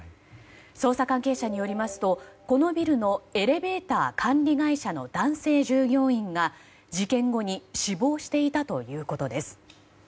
捜査関係者によりますとこのビルのエレベーター管理会社の男性従業員が事件後に死亡していたということです。